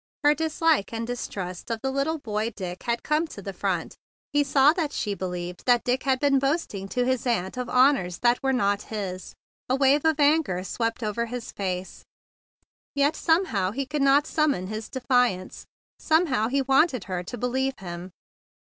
Her dislike and distrust of the little boy Dick had come to the front. He saw that she believed that Dick had been boasting to his aunt of honors that were not his. A wave of anger swept over his face; yet somehow he could not summon his defiance. Somehow he wanted her to believe him.